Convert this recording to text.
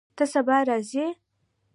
ته سبا راځې؟